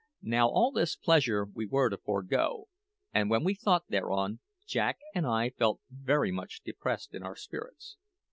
Now all this pleasure we were to forego, and when we thought thereon, Jack and I felt very much depressed in our spirits.